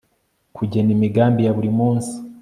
kugena imigambi ya buri munsi